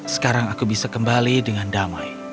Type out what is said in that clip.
sekarang aku bisa kembali dengan damai